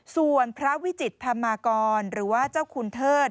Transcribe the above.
ส่วนพระวิจิตธรรมากรหรือว่าเจ้าคุณเทิด